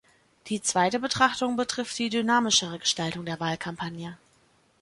Die zweite Betrachtung betrifft die dynamischere Gestaltung der Wahlkampagne.